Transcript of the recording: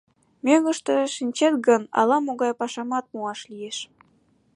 — Мӧҥгыштӧ шинчет гын, ала-могай пашамат муаш лиеш.